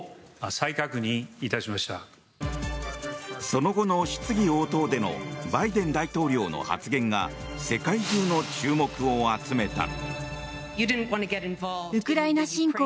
その後の質疑応答でのバイデン大統領の発言が世界中の注目を集めた。